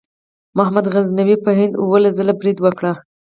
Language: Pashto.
محمود غزنوي په هند اوولس ځله برید وکړ.